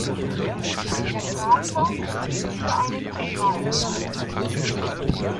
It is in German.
Der Krater verfügt über einen Zentralberg.